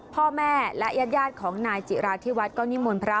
พ่อแม่และญาติของนายจิราธิวัฒน์ก็นิมนต์พระ